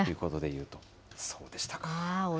そうでしたか。